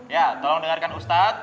ya tolong dengarkan ustadz